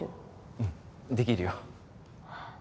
うんできるよ